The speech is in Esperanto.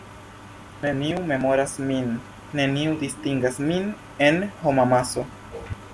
Neniu memoras min, neniu distingas min en homamaso.